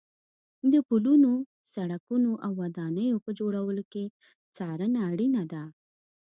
د پلونو، سړکونو او ودانیو په جوړولو کې څارنه اړینه ده.